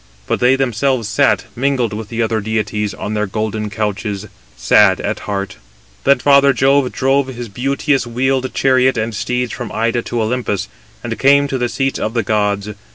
But they themselves sat, mingled with the other deities, on their golden couches, sad at heart. Then father Jove drove his beauteous wheeled chariot and steeds from Ida to Olympus, and came to the seats of the gods.